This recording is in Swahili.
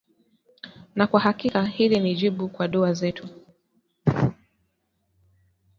Na kwa hakika hili ni jibu kwa dua zetu